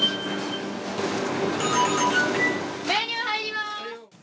メニュー入ります。